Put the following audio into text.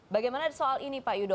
bagaimana soal ini pak yudo